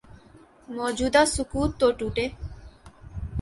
موجودہ سکوت تو ٹوٹے۔